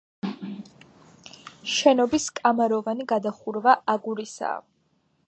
შენობის კამაროვანი გადახურვა აგურისაა.